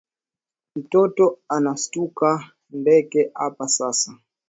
Mtoto anastuka ndeke apa sasa